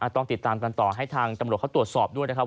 ต้องติดตามกันต่อให้ทางตำรวจเขาตรวจสอบด้วยนะครับ